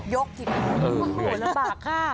ยกถึงเออโอ้โฮระบากค่ะ